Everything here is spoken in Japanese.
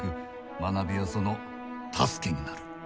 学びはその助けになる。